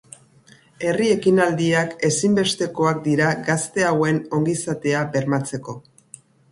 Herri ekinaldiak ezinbestekoak dira gazte hauen ongizatea bermatzeko.